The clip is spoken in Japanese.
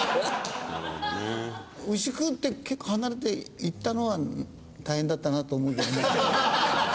牛久って結構離れて行ったのは大変だったなと思うけどね。